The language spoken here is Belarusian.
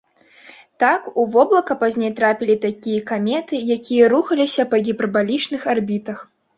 Так, у воблака пазней трапілі і такія каметы, якія рухаліся па гіпербалічных арбітах.